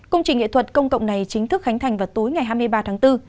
công trình nghệ thuật công cộng này chính thức khánh thành vào tối ngày hai mươi ba tháng bốn